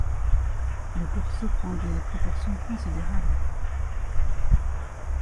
Le corso prend des proportions considérables.